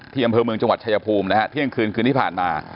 อำเภอเมืองจังหวัดชายภูมินะฮะเที่ยงคืนคืนที่ผ่านมา